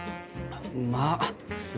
うまっ！